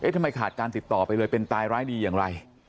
ขาดการติดต่อไปเลยเป็นตายร้ายดีอย่างไร